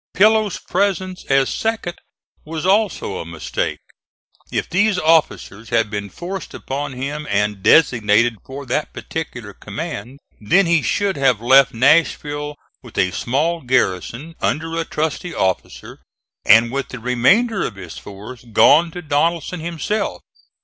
Pillow's presence as second was also a mistake. If these officers had been forced upon him and designated for that particular command, then he should have left Nashville with a small garrison under a trusty officer, and with the remainder of his force gone to Donelson himself.